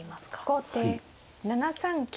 後手７三金。